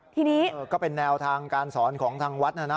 ทีนี้ก็เป็นแนวทางการสอนของทางวัดนะนะ